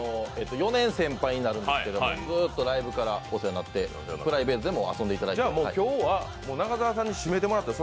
４年先輩になるんですけどずっとライブからお世話になってプライベートでも遊んでもらってて。